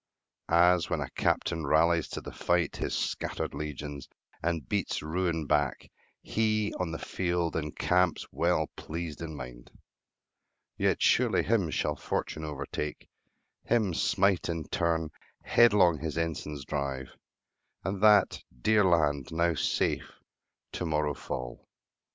As when a captain rallies to the fight His scattered legions, and beats ruin back, He, on the field, encamps, well pleased in mind. Yet surely him shall fortune overtake, Him smite in turn, headlong his ensigns drive; And that dear land, now safe, to morrow fall.